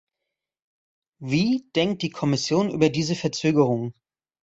Wie denkt die Kommission über diese Verzögerung?